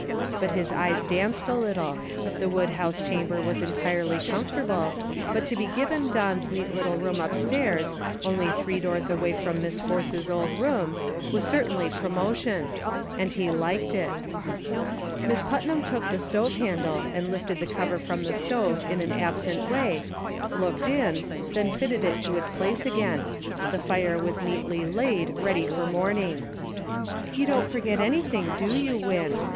But his eyes danced a little ; the wood house chamber was entirely com fortable ; but to be given Don's neat little room upstairs, only three doors away from Miss Force's old room, was certainly promotion ; and he liked it. Miss Putnam took the stove handle and lifted the cover from the stove in an absent way, looked in, then fitted it to its place again ; the fire was neatly laid, ready for morning. " You don't for get anything, do you, Win ?